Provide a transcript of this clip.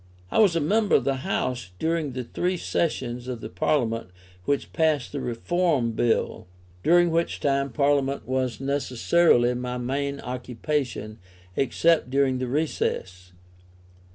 I was a member of the House during the three sessions of the Parliament which passed the Reform Bill; during which time Parliament was necessarily my main occupation, except during the recess.